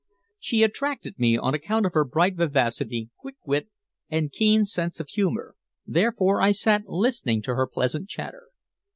She attracted me on account of her bright vivacity, quick wit and keen sense of humor, therefore I sat listening to her pleasant chatter.